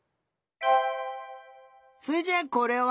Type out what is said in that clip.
それじゃあこれは？